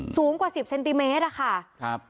สูงกว่า๑๐เซนติเมตรอะค่ะ